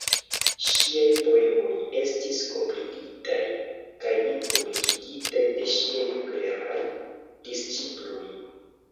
Ŝiaj poemoj estis kompilitaj kaj publikigitaj de ŝiaj kleraj disĉiploj.